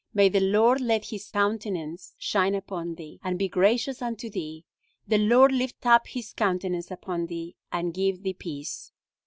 May the Lord let his countenance shine upon thee, and be gracious unto thee! The Lord lift up his countenance upon thee, and give thee peace."